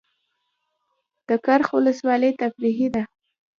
د کرخ ولسوالۍ تفریحي ده